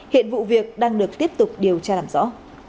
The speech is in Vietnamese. hiện vụ việc đang được tiếp tục điều tra làm rõ